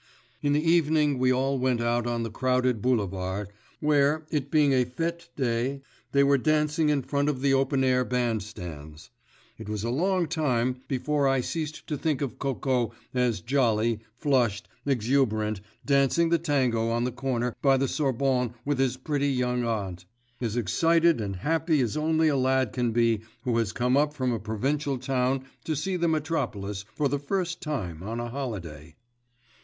In the evening we all went out on the crowded Boulevard, where, it being a fête day, they were dancing in front of the open air band stands. It was a long time before I ceased to think of Coco as jolly, flushed, exuberant, dancing the Tango on the corner by the Sorbonne with his pretty young aunt, as excited and happy as only a lad can be who has come up from a provincial town to see the metropolis for the first time on a holiday.